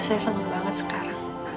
saya seneng banget sekarang